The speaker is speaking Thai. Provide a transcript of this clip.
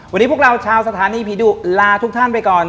วันนี้พวกเราชาวสถานีผีดุลาทุกท่านไปก่อน